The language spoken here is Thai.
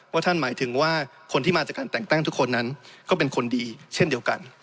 ท่านหมายถึงว่าคนที่มาจากการแต่งตั้งทุกคนนั้นก็เป็นคนดีเช่นเดียวกัน